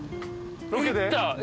ロケで？